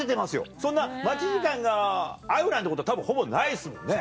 そんな待ち時間が合うなんてことはたぶんほぼないですもんね。